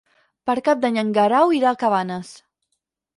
Per Cap d'Any en Guerau irà a Cabanes.